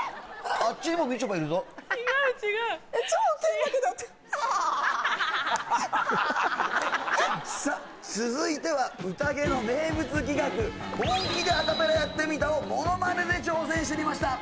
あっちにもみちょぱいるぞさっ続いては「ＵＴＡＧＥ！」の名物企画本気でアカペラやってみたをものまねで挑戦してみました